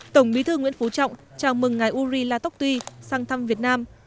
tổng bí thư nguyễn phú trọng chào mừng ngài uri la toc tuy sang thăm việt nam